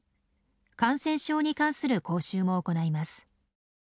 感染症に関する講習も行います。